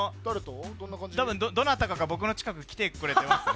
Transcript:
どなたかが僕の近くに来てくれてます。